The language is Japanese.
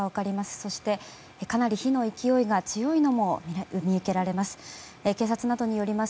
そしてかなり火の勢いが強いのも見受けられます。